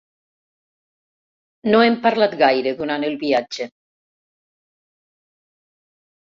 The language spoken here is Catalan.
No hem parlat gaire durant el viatge.